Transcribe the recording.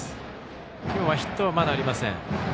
今日はヒットはまだありません。